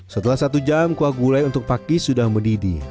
setelah satu jam kuah gulai untuk pakis sudah mendidih